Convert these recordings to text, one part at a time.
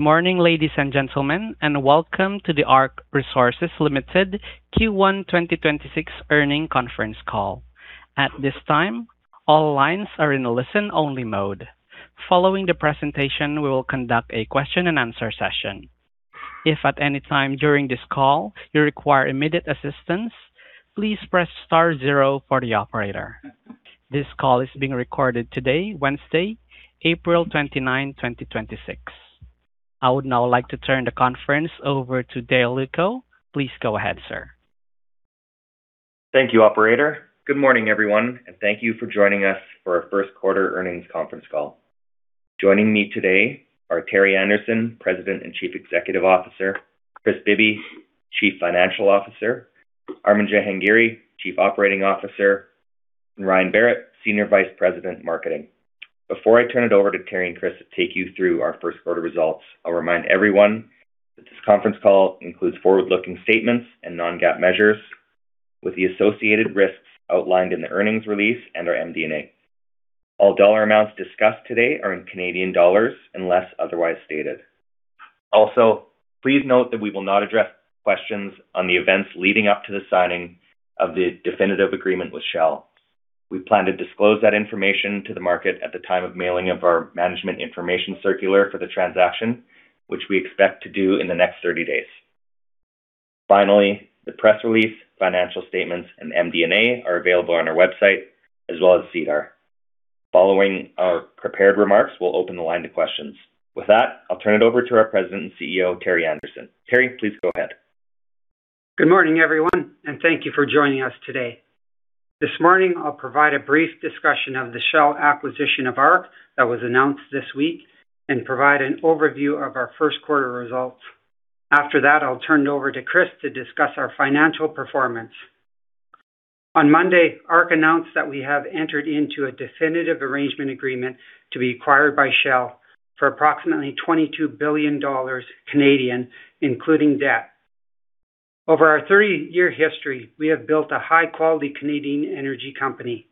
Good morning, ladies and gentlemen, and welcome to the ARC Resources Limited Q1 2026 earnings conference call. At this time, all lines are in a listen-only mode. Following the presentation, we will conduct a question and answer session. If at any time during this call you require immediate assistance, please press star zero for the operator. This call is being recorded today, Wednesday, April 29, 2026. I would now like to turn the conference over to Dale Lewko. Please go ahead, sir. Thank you, operator. Good morning, everyone, and thank you for joining us for our first quarter earnings conference call. Joining me today are Terry Anderson, President and Chief Executive Officer, Kris Bibby, Chief Financial Officer, Armin Jahangiri, Chief Operating Officer, and Ryan Berrett, Senior Vice President, Marketing. Before I turn it over to Terry and Kris to take you through our first quarter results, I will remind everyone that this conference call includes forward-looking statements and non-GAAP measures with the associated risks outlined in the earnings release and our MD&A. All dollar amounts discussed today are in Canadian dollars unless otherwise stated. Also, please note that we will not address questions on the events leading up to the signing of the definitive agreement with Shell. We plan to disclose that information to the market at the time of mailing of our management information circular for the transaction, which we expect to do in the next 30 days. Finally, the press release, financial statements, and MD&A are available on our website as well as SEDAR. Following our prepared remarks, we'll open the line to questions. With that, I'll turn it over to our President and CEO, Terry Anderson. Terry, please go ahead. Good morning, everyone, and thank you for joining us today. This morning, I'll provide a brief discussion of the Shell acquisition of ARC that was announced this week and provide an overview of our first quarter results. After that, I'll turn it over to Kris to discuss our financial performance. On Monday, ARC announced that we have entered into a definitive arrangement agreement to be acquired by Shell for approximately 22 billion Canadian dollars, including debt. Over our 30-year history, we have built a high-quality Canadian energy company.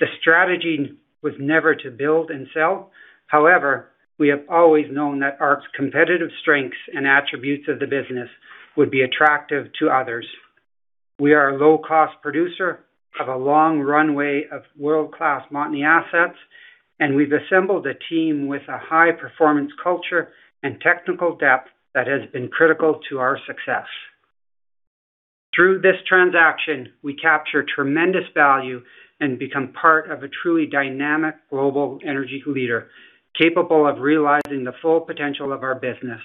The strategy was never to build and sell. We have always known that ARC's competitive strengths and attributes of the business would be attractive to others. We are a low-cost producer of a long runway of world-class Montney assets, and we've assembled a team with a high-performance culture and technical depth that has been critical to our success. Through this transaction, we capture tremendous value and become part of a truly dynamic global energy leader, capable of realizing the full potential of our business.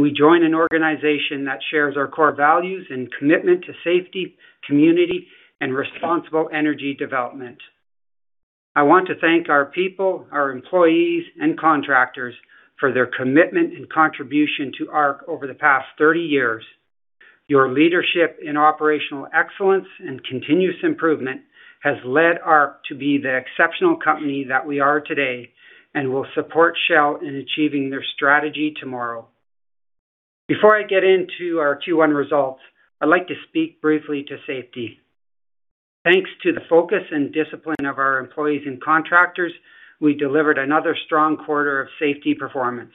We join an organization that shares our core values and commitment to safety, community, and responsible energy development. I want to thank our people, our employees, and contractors for their commitment and contribution to ARC over the past 30 years. Your leadership in operational excellence and continuous improvement has led ARC to be the exceptional company that we are today and will support Shell in achieving their strategy tomorrow. Before I get into our Q1 results, I'd like to speak briefly to safety. Thanks to the focus and discipline of our employees and contractors, we delivered another strong quarter of safety performance.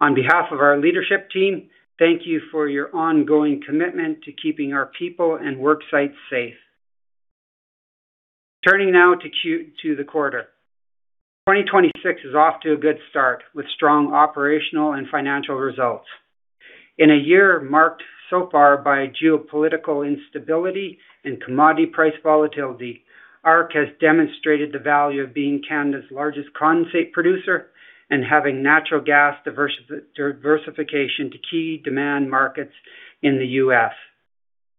On behalf of our leadership team, thank you for your ongoing commitment to keeping our people and work sites safe. Turning now to the quarter. 2026 is off to a good start with strong operational and financial results. In a year marked so far by geopolitical instability and commodity price volatility, ARC has demonstrated the value of being Canada's largest condensate producer and having natural gas diversification to key demand markets in the U.S.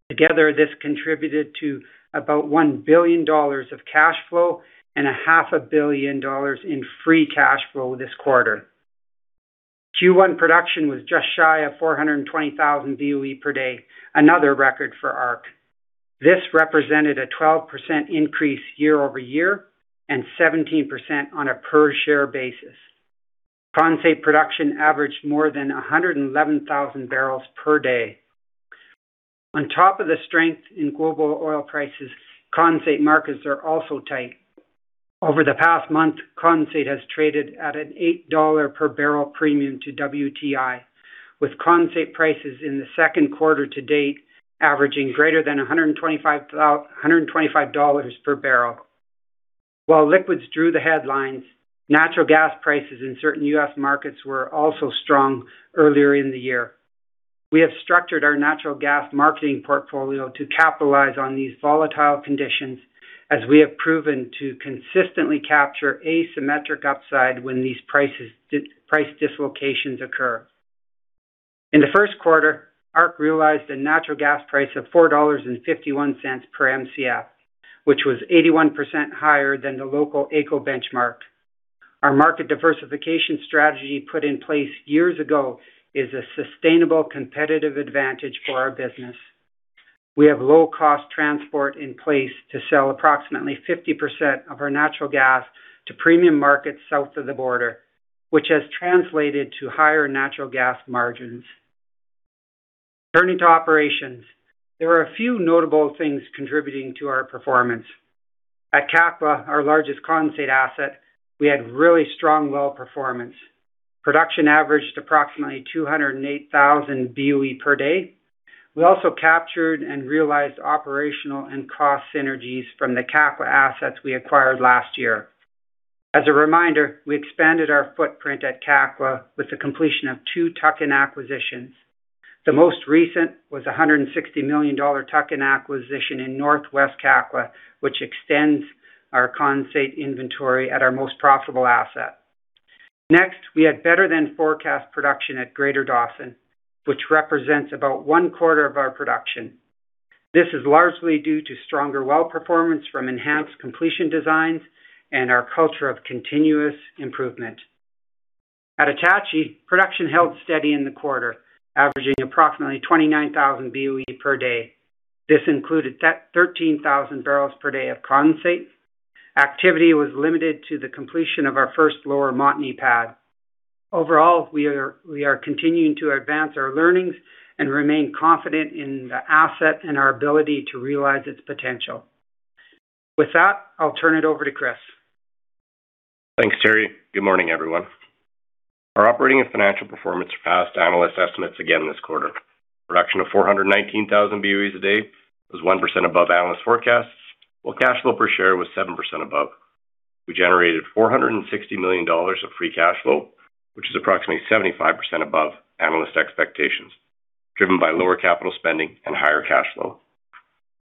Together, this contributed to about 1 billion dollars of cash flow and 500 million dollars in free cash flow this quarter. Q1 production was just shy of 420,000 BOE per day, another record for ARC. This represented a 12% increase year-over-year and 17% on a per-share basis. Condensate production averaged more than 111,000 bbl per day. On top of the strength in global oil prices, condensate markets are also tight. Over the past month, condensate has traded at a 8 dollar per bbl premium to WTI, with condensate prices in the second quarter to date averaging greater than 125 dollars per bbl. While liquids drew the headlines, natural gas prices in certain U.S. markets were also strong earlier in the year. We have structured our natural gas marketing portfolio to capitalize on these volatile conditions as we have proven to consistently capture asymmetric upside when these price dislocations occur. In the first quarter, ARC realized a natural gas price of 4.51 dollars per Mcf, which was 81% higher than the local AECO benchmark. Our market diversification strategy put in place years ago is a sustainable competitive advantage for our business. We have low-cost transport in place to sell approximately 50% of our natural gas to premium markets south of the border, which has translated to higher natural gas margins. Turning to operations, there are a few notable things contributing to our performance. At Kakwa, our largest condensate asset, we had really strong well performance. Production averaged approximately 208,000 BOE per day. We also captured and realized operational and cost synergies from the Kakwa assets we acquired last year. As a reminder, we expanded our footprint at Kakwa with the completion of two tuck-in acquisitions. The most recent was a 160 million dollar tuck-in acquisition in Northwest Kakwa, which extends our condensate inventory at our most profitable asset. Next, we had better than forecast production at Greater Dawson, which represents about one quarter of our production. This is largely due to stronger well performance from enhanced completion designs and our culture of continuous improvement. At Attachie, production held steady in the quarter, averaging approximately 29,000 BOE per day. This included 13,000 bbl per day of condensate. Activity was limited to the completion of our first Lower Montney pad. Overall, we are continuing to advance our learnings and remain confident in the asset and our ability to realize its potential. With that, I'll turn it over to Kris. Thanks, Terry. Good morning, everyone. Our operating and financial performance surpassed analyst estimates again this quarter. Production of 419,000 BOEs a day was 1% above analyst forecasts, while cash flow per share was 7% above. We generated 460 million dollars of free cash flow, which is approximately 75% above analyst expectations, driven by lower capital spending and higher cash flow.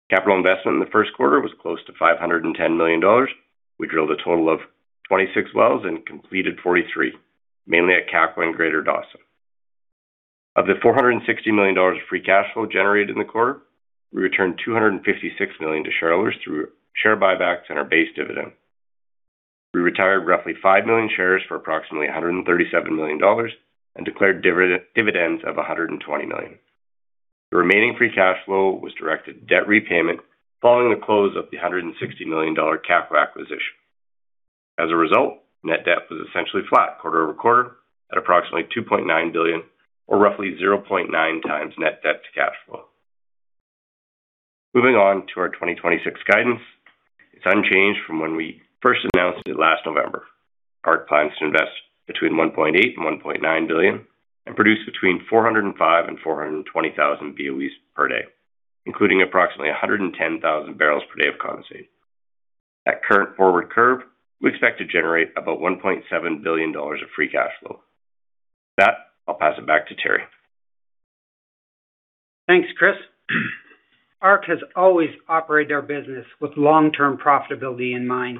Capital investment in the first quarter was close to 510 million dollars. We drilled a total of 26 wells and completed 43, mainly at Kakwa and Greater Dawson. Of the 460 million dollars free cash flow generated in the quarter, we returned 256 million to shareholders through share buybacks and our base dividend. We retired roughly 5 million shares for approximately 137 million dollars and declared dividends of 120 million. The remaining free cash flow was directed to debt repayment following the close of the 160 million dollar capital acquisition. As a result, net debt was essentially flat quarter-over-quarter at approximately 2.9 billion or roughly 0.9x net debt to cash flow. Moving on to our 2026 guidance, it's unchanged from when we first announced it last November. ARC plans to invest between 1.8 billion and 1.9 billion and produce between 405,000 and 420,000 BOEs per day, including approximately 110,000 bbl per day of condensate. At current forward curve, we expect to generate about 1.7 billion dollars of free cash flow. With that, I'll pass it back to Terry. Thanks, Kris. ARC Resources has always operated our business with long-term profitability in mind,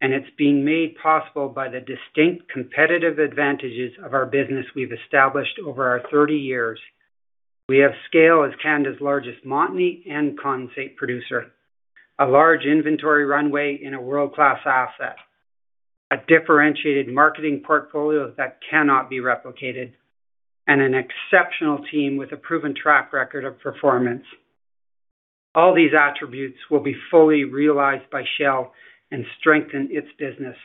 and it's being made possible by the distinct competitive advantages of our business we've established over our 30 years. We have scale as Canada's largest Montney and condensate producer, a large inventory runway in a world-class asset, a differentiated marketing portfolio that cannot be replicated, and an exceptional team with a proven track record of performance. All these attributes will be fully realized by Shell and strengthen its business.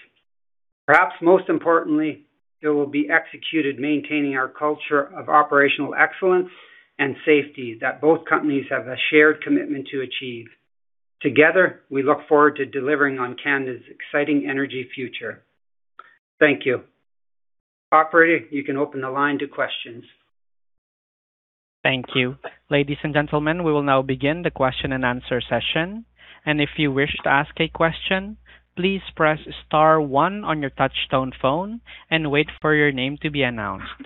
Perhaps most importantly, it will be executed maintaining our culture of operational excellence and safety that both companies have a shared commitment to achieve. Together, we look forward to delivering on Canada's exciting energy future. Thank you. Operator, you can open the line to questions. Thank you ladies and gentlemen we will now begin the question and answer session. And if you wish to ask a question, please press star one on your touch-pad phone and wait for your name to be announced.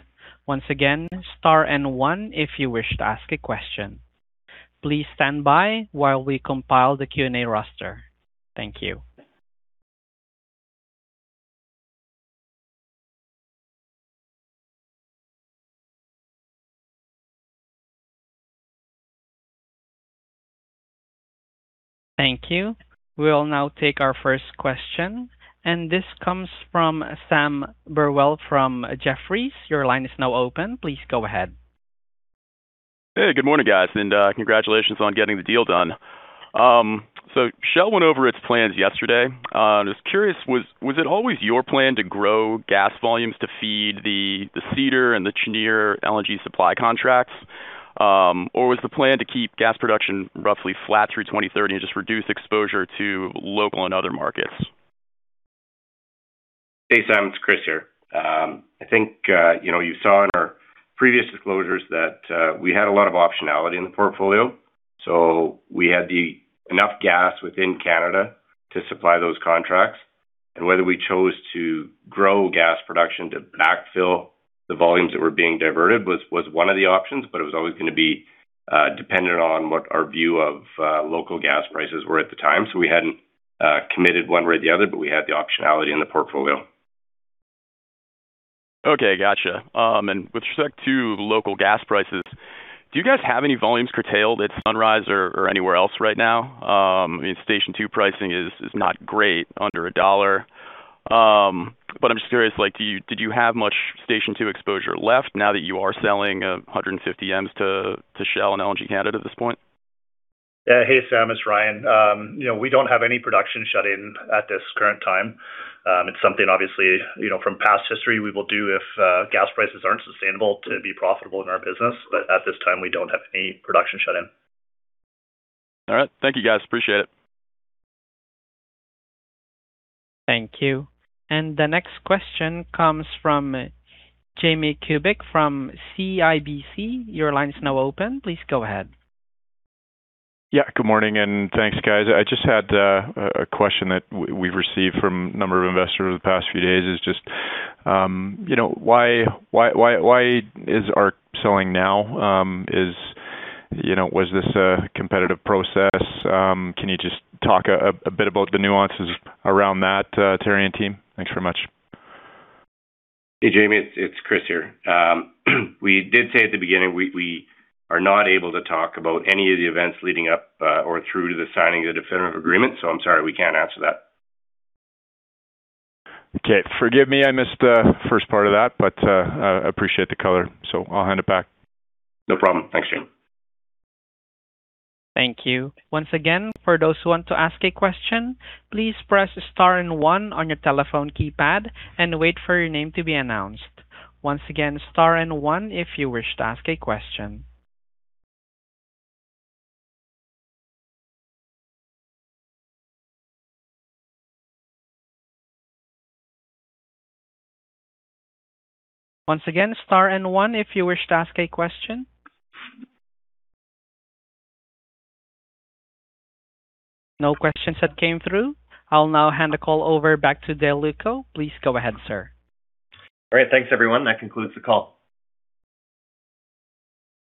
Once again, star and one if you wish to ask a question. Please stand while we compile the Q&A roster. Thank you. Thank you. We will now take our first question, and this comes from Sam Burwell from Jefferies. Your line is now open. Please go ahead. Good morning, guys, congratulations on getting the deal done. Shell went over its plans yesterday. I'm just curious, was it always your plan to grow gas volumes to feed the Cedar and the Cheniere LNG supply contracts? Was the plan to keep gas production roughly flat through 2030 and just reduce exposure to local and other markets? Hey, Sam Burwell. It's Kris Bibby here. I think, you know, you saw in our previous disclosures that we had a lot of optionality in the portfolio, so we had enough gas within Canada to supply those contracts. Whether we chose to grow gas production to backfill the volumes that were being diverted was one of the options, but it was always gonna be dependent on what our view of local gas prices were at the time. We hadn't committed one way or the other, but we had the optionality in the portfolio. Okay, gotcha. With respect to local gas prices, do you guys have any volumes curtailed at Sunrise or anywhere else right now? I mean, Station 2 pricing is not great under CAD 1. I'm just curious, like, did you have much Station 2 exposure left now that you are selling 150 Mcf to Shell and LNG Canada at this point? Yeah. Hey, Sam, it's Ryan. You know, we don't have any production shut in at this current time. It's something obviously, you know, from past history we will do if gas prices aren't sustainable to be profitable in our business. At this time, we don't have any production shut in. All right. Thank you, guys. Appreciate it. Thank you. The next question comes from Jamie Kubik from CIBC. Your line is now open. Please go ahead. Yeah, good morning, and thanks, guys. I just had a question that we've received from a number of investors over the past few days. You know, why is ARC selling now? You know, was this a competitive process? Can you just talk a bit about the nuances around that, Terry and team? Thanks very much. Hey, Jamie, it's Kris here. We did say at the beginning, we are not able to talk about any of the events leading up or through to the signing of the definitive agreement, so I'm sorry, we can't answer that. Okay. Forgive me, I missed the first part of that, but I appreciate the color, so I'll hand it back. No problem. Thanks, Jamie. Thank you. Once again, for those who want to ask a question, please press star and one on your telephone keypad and wait for your name to be announced. Once again, star and one if you wish to ask a question. Once again, star and one if you wish to ask a question. No questions had came through. I'll now hand the call over back to Dale Lewko. Please go ahead, sir. All right. Thanks, everyone. That concludes the call.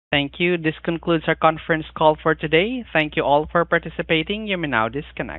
Thank you. This concludes our conference call for today. Thank you all for participating. You may now disconnect.